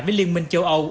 với liên minh châu âu